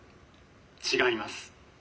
「違います」。